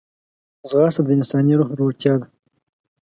ځغاسته د انساني روح لوړتیا ده